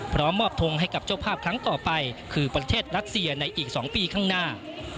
มอบทงให้กับเจ้าภาพครั้งต่อไปคือประเทศรัสเซียในอีก๒ปีข้างหน้า